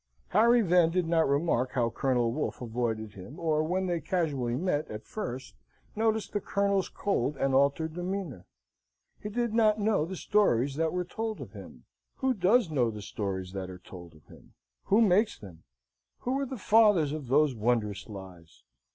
Harry then did not remark how Colonel Wolfe avoided him, or when they casually met, at first, notice the Colonel's cold and altered demeanour. He did not know the stories that were told of him. Who does know the stories that are told of him? Who makes them? Who are the fathers of those wondrous lies?